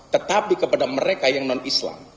tetapi kepada mereka yang non islam